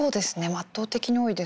圧倒的に多いですよね。